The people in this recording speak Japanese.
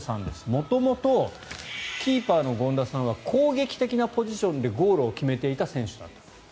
元々、キーパーの権田さんは攻撃的なポジションでゴールを決めていた選手だったと。